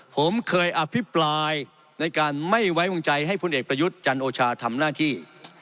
ผมเคยอภิปรายในการไม่ไว้วางใจให้พลเอกประยุทธ์จันโอชาทำหน้าที่